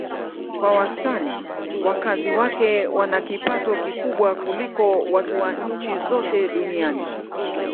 Kwa wastani wakazi wake wana kipato kikubwa kuliko watu wa nchi zote duniani.